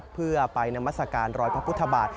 เพื่อไปนามัศกาลรอยพระพุทธบาท